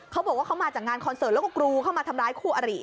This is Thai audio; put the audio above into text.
เขาบอกว่าเขามาจากงานคอนเสิร์ตแล้วก็กรูเข้ามาทำร้ายคู่อริ